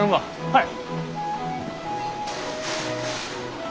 はい！